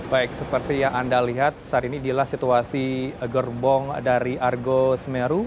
baik seperti yang anda lihat saat ini dialah situasi gerbong dari argo semeru